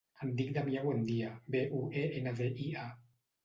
Em dic Damià Buendia: be, u, e, ena, de, i, a.